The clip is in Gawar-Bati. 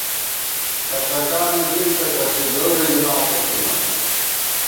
کھڅَکانہ ݫُوئیکہ ݭڅِی، زورے ژِی باگہ ݪِمان